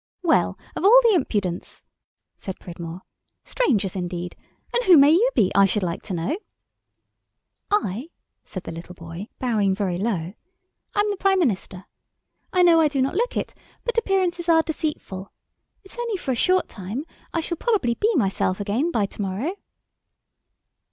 "Well, of all the impudence," said Pridmore. "Strangers, indeed! And who may you be, I should like to know?" "I," said the little boy, bowing very low, "am the Prime Minister. I know I do not look it, but appearances are deceitful. It's only for a short time. I shall probably be myself again by to morrow."